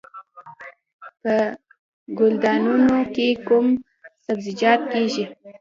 په ګلدانونو کې کوم سبزیجات کیږي؟